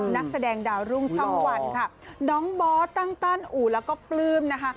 นักแสดงดารุ่งช่องภาวร้านค่ะน้องบอสตั้นอู๋แล้วก็ปลื้มทุกคนนะฮะ